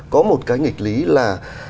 có một cái nghịch lý là